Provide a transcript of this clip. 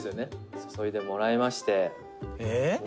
「注いでもらいまして」